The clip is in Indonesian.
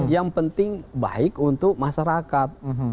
yang penting baik untuk masyarakat